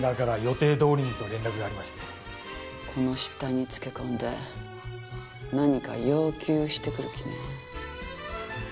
この失態につけ込んで何か要求してくる気ね。